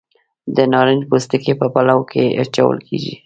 د نارنج پوستکي په پلو کې اچول کیږي.